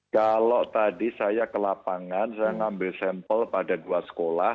kalau tadi saya ke lapangan saya ngambil sampel pada dua sekolah